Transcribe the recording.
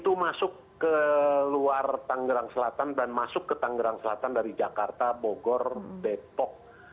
itu masuk ke luar tangerang selatan dan masuk ke tanggerang selatan dari jakarta bogor depok